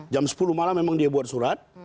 jam sepuluh malam memang dia buat surat